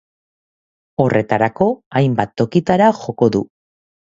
Horretarako, hainbat tokitara joko du.